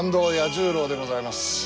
十郎でございます。